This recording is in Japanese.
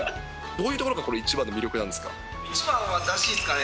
どういうところがこれ、一番の魅一番はだしっすかね。